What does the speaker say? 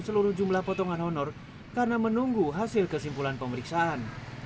seluruh jumlah potongan honor karena menunggu hasil kesimpulan pemeriksaan